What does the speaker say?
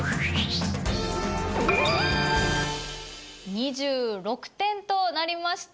２６点となりました。